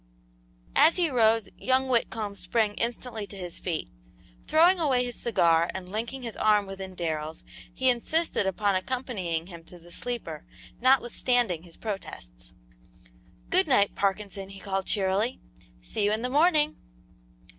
As he rose young Whitcomb sprang instantly to his feet; throwing away his cigar and linking his arm within Darrell's, he insisted upon accompanying him to the sleeper, notwithstanding his protests. "Good night, Parkinson," he called, cheerily; "see you in the morning!"